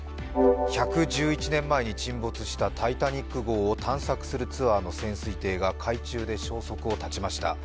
１１１年前に沈没した「タイタニック」号を探索するツアーの潜水艇が海中で消息を絶ちました。